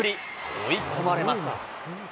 追い込まれます。